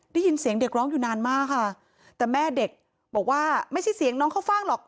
ได้ยินเสียงเด็กร้องอยู่นานมากค่ะแต่แม่เด็กบอกว่าไม่ใช่เสียงน้องเข้าฟ่างหรอก